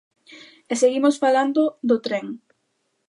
E seguimos falando do tren.